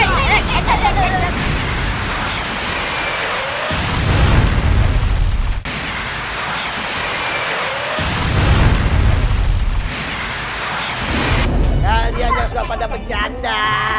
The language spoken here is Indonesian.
nah dia sudah pada bercanda